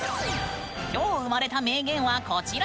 きょう生まれた名言はこちら！